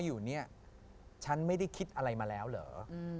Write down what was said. อยู่เนี่ยฉันไม่ได้คิดอะไรมาแล้วเหรอ